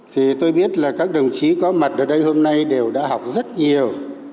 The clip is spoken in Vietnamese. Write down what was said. thì tôi biết là các đồng chí có mặt ở đây hôm nay đều đã học rất nhiều